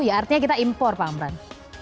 ya artinya kita impor pak amran